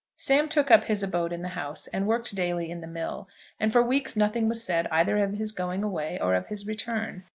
Sam took up his abode in the house, and worked daily in the mill, and for weeks nothing was said either of his going away or of his return.